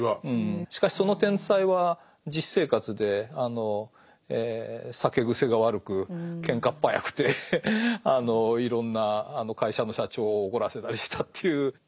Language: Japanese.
しかしその天才は実生活で酒癖が悪くケンカっぱやくていろんな会社の社長を怒らせたりしたっていう。